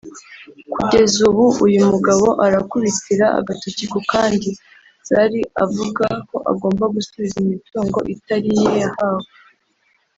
Kugeza ubu uyu mugabo arakubitira agatoki ku kandi Zari avuga ko agomba gusubiza imitungo itari iye yahawe